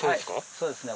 そうですね。